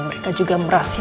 mereka juga merasakannya